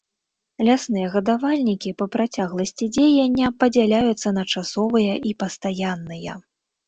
Лясныя гадавальнікі па працягласці дзеяння падзяляюцца на часовыя і пастаянныя.